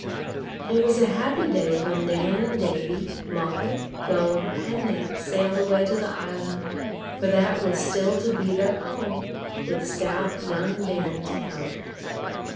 It was a happy day when Dan and Davy, Moppet, Gulliver, and Nep sailed away to the island; for that was still to be their home, with stout young Ben to help.